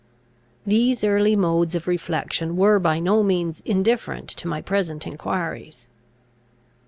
These early modes of reflection were by no means indifferent to my present enquiries.